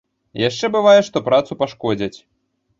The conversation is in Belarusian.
Яшчэ бывае, што працу пашкодзяць.